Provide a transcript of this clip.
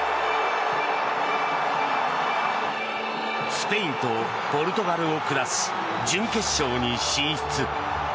スペインとポルトガルを下し準決勝に進出。